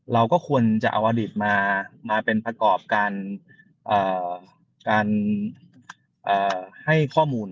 เราก็ควรจะเอาอดีตมาเป็นประกอบการการให้ข้อมูล